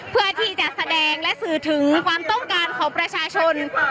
เพื่อที่จะแสดงและสื่อถึงความต้องการของประชาชน